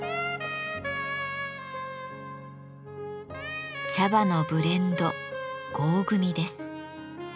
茶葉のブレンド合組です。